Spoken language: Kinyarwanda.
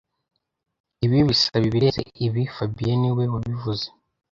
Ibi bisaba ibirenze ibi fabien niwe wabivuze